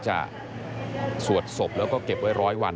พบหน้าลูกแบบเป็นร่างไร้วิญญาณ